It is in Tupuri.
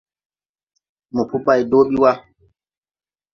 Mopo bay do ɓi wa.